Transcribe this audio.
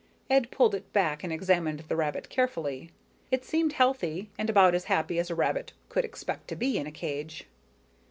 Ed pulled it back and examined the rabbit carefully. It seemed healthy and about as happy as a rabbit could expect to be in a cage.